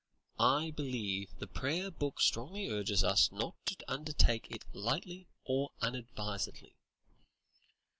I believe the Prayer Book strongly urges us not to undertake it lightly or unadvisedly."